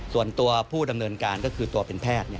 ส่วนตัวผู้ดำเนินการก็คือตัวเป็นแพทย์